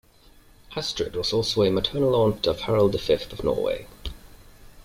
Astrid was also a maternal aunt of Harald the Fifth of Norway.